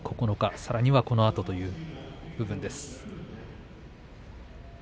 さらにこのあとという部分です。